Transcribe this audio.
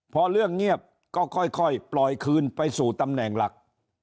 พอเรื่องเงียบก็ค่อยปล่อยคืนไปสู่ตำแหน่งหลัก